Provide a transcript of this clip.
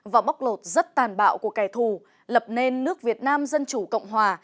và bóc lột rất tàn bạo của kẻ thù lập nên nước việt nam dân chủ cộng hòa